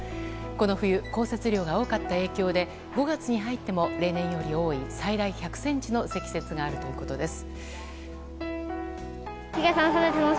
この冬、降雪量が多かった影響で５月に入っても例年より多い最大１００ｃｍの積雪があるということです。